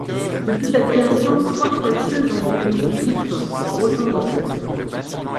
Depuis sa création, trois catcheuses ont détenu ce titre pour autant de règne.